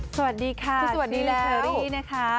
สวัสดีค่ะสวัสดีและเชอรี่นะคะ